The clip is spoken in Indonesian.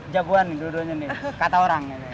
jagoan dulu duanya nih kata orang